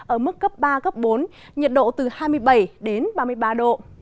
ở mức cấp ba cấp bốn nhiệt độ từ hai mươi bảy đến ba mươi ba độ